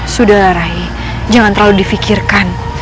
sudah rai jangan terlalu difikirkan